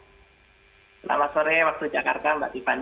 selamat sore waktu jakarta mbak tiffany